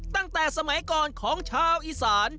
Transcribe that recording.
ตั้งแต่สมัยก่อนของชาวอีสาน